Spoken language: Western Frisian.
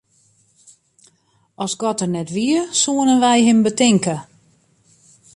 As God der net wie, soenen wy him betinke.